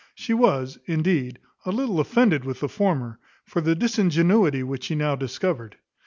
She was, indeed, a little offended with the former, for the disingenuity which she now discovered.